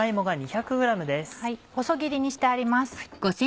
細切りにしてあります。